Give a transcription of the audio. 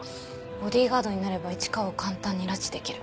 ボディーガードになれば市川を簡単に拉致できる。